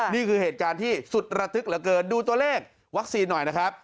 นี่คือเหตุการณ์ที่สุดระทึกเหลือเกินดูตัวเลขวัคซีนหน่อยนะครับ